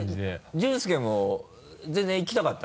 淳介も全然行きたかった？